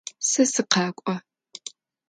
Se sıkhek'o.